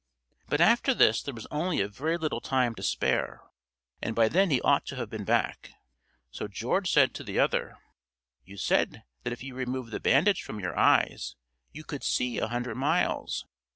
But after this there was only a very little time to spare, and by then he ought to have been back. So George said to the other: "You said that if you removed the bandage from your eyes, you could see a hundred miles.